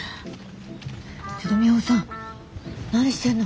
ちょっとミホさん何してんの？